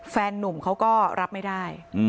แฟนนุ่มเขาก็รับไม่ได้